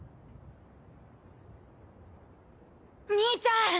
兄ちゃん！